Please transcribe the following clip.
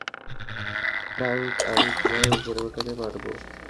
Frank, আমি তোমাকে উপরে উঠাতে পারব!